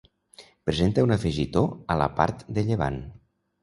Presenta un afegitó a la part de llevant.